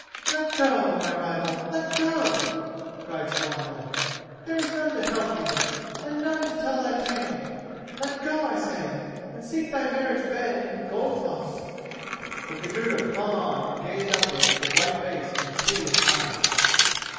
"Let go, my rival; let go!" cried Swanhild: "there is none to help thee, and none to tell thy tale. Let go, I say, and seek thy marriage bed in Goldfoss!" But Gudruda clung on and gazed upwards with white face and piteous eyes.